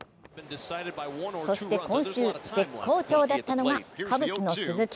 そして今週、絶好調だったのがカブスの鈴木。